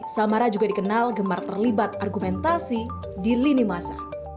samara juga dikenal gemar terlibat argumentasi di lini masa